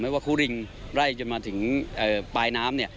ไหมว่าครูริงไร่จนมาถึงปลายน้ำ